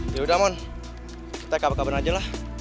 yaudah mon kita kabar kabar aja lah